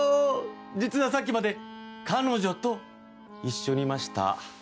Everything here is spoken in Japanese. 実はさっきまで彼女と一緒にいました。